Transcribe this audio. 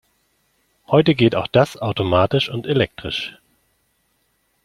Heute geht auch das automatisch und elektrisch.